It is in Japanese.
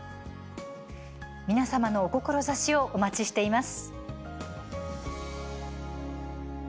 皆様のお志をお待ちしています。